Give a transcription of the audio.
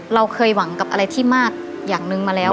เราเคยหวังกับอะไรที่มากอย่างนึงมาแล้ว